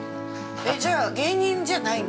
◆じゃあ、芸人じゃないんだ。